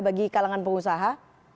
bagi kalangan pengusaha